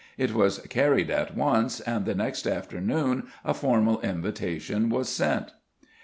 It was carried at once, and the next afternoon a formal invitation was sent.